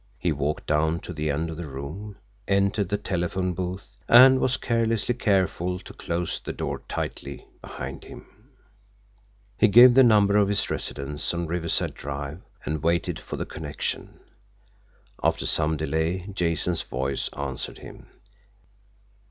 He walked down to the end of the room, entered the telephone booth and was carelessly careful to close the door tightly behind him. He gave the number of his residence on Riverside Drive, and waited for the connection. After some delay, Jason's voice answered him.